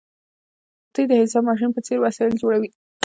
دوی د حساب ماشین په څیر وسایل جوړوي.